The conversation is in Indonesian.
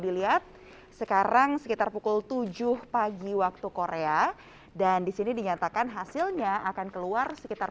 dilihat sekarang sekitar pukul tujuh pagi waktu korea dan disini dinyatakan hasilnya akan keluar sekitar